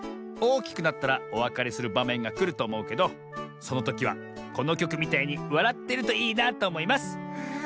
おおきくなったらおわかれするばめんがくるとおもうけどそのときはこのきょくみたいにわらってるといいなとおもいます」。